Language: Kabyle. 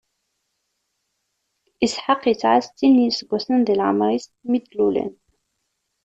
Isḥaq isɛa settin n iseggasen di lɛemṛ-is, mi d-lulen.